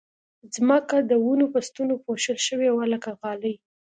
ځمکه د ونو په ستنو پوښل شوې وه لکه غالۍ